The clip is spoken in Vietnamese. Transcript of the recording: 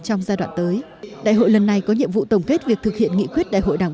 trong giai đoạn tới đại hội lần này có nhiệm vụ tổng kết việc thực hiện nghị quyết đại hội đảng